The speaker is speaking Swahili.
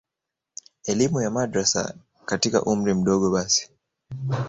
elimu ya madrasa katika umri mdogo basi